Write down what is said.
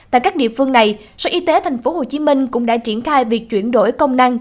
tại các địa phương này sở y tế thành phố hồ chí minh cũng đã triển khai việc chuyển đổi công năng